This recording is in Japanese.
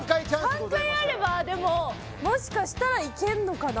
３回あればでももしかしたらいけるのかな？